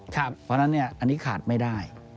เพราะฉะนั้นอันนี้ขาดไม่ได้